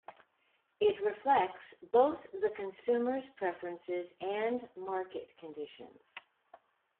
It reflects both the consumer's preferences and market conditions.